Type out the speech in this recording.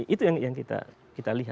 itu yang kita lihat